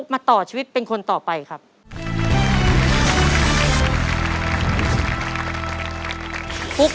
เร็วเร็วเร็วเร็ว